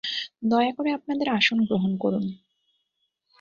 দয়া করে আপনাদের আসন গ্রহণ করুন।